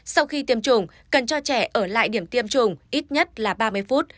sau khi tiêm chủng cần cho trẻ ở lại điểm tiêm chủng ít nhất là ba mươi phút